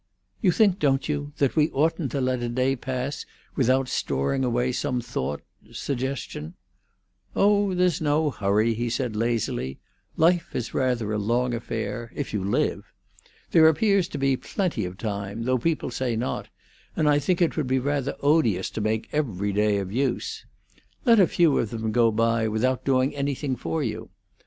"You think, don't you, that we oughtn't to let a day pass without storing away some thought—suggestion——" "Oh, there's no hurry," he said lazily. "Life is rather a long affair—if you live. There appears to be plenty of time, though people say not, and I think it would be rather odious to make every day of use. Let a few of them go by without doing anything for you!